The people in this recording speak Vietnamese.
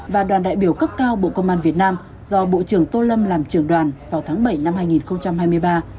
và đoàn đại biểu cấp cao bộ công an việt nam do bộ trưởng tô lâm làm trưởng đoàn vào tháng bảy năm hai nghìn hai mươi ba